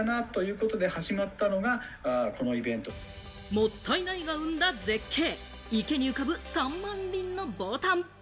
「もったいない」が生んだ絶景、池に浮かぶ３万輪の牡丹。